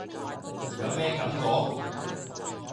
有咩感覺？